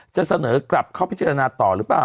จะเสนอกลับเข้าพิจารณาต่อหรือเปล่า